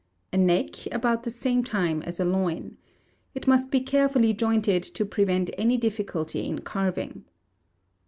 A neck, about the same time as a loin. It must be carefully jointed to prevent any difficulty in carving.